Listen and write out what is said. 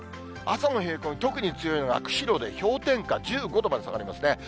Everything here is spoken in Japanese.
朝の冷え込み、特に強いのが釧路で氷点下１５度まで下がりますね。